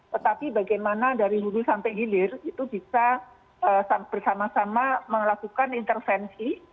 tetapi bagaimana dari hulu sampai hilir itu bisa bersama sama melakukan intervensi